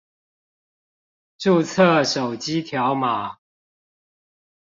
註冊手機條碼